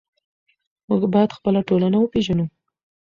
موږ باید خپله ټولنه وپېژنو.